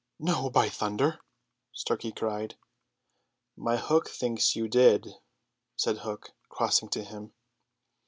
"No, by thunder!" Starkey cried. "My hook thinks you did," said Hook, crossing to him.